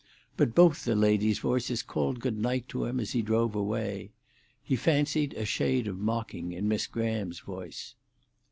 But both the ladies' voices called good night to him as he drove away. He fancied a shade of mocking in Miss Graham's voice.